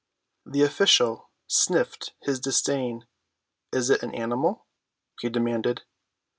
The official sniffed his disdain. "Is it an animal?" he demanded.